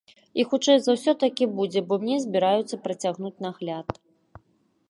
І, хутчэй за ўсё, так і будзе, бо мне збіраюцца працягнуць нагляд.